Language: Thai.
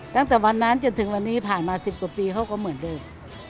ตั้งแต่วันนั้นจนถึงวันนี้ผ่านมา๑๐กว่าปีเขาก็เหมือนเดิม